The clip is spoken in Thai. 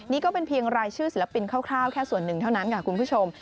นี่ก็เป็นเพียงรายชื่อศิลปนคร่าวแค่ส่วนหนึ่งเท่านั้นค่ะคุณผู้ชม